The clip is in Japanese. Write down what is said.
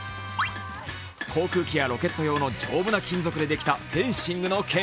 航空機やロケット用の丈夫な金属でできたフェンシングの剣。